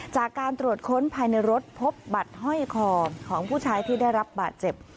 จากการตรวจค้นภายในรถพบบัตรห้อยคอของผู้ชายที่ได้รับบาดเจ็บ